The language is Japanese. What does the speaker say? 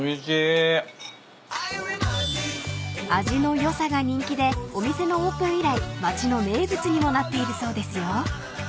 ［味の良さが人気でお店のオープン以来町の名物にもなっているそうですよ］